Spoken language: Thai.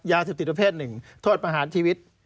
ยาเสพติดประเภทหนึ่งโทษประหารชีวิต